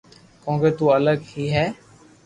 ڪونڪھ تو الگ ھي ھي